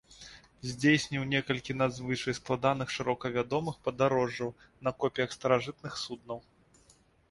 Здзейсніў некалькі надзвычай складаных шырока вядомых падарожжаў на копіях старажытных суднаў.